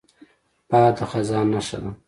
باد د خزان نښه ده